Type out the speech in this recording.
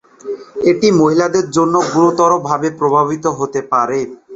এটি মহিলাদের জন্যও গুরুতরভাবে প্রভাবিত হতে পারে।